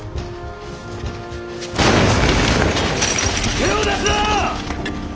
手を出すな！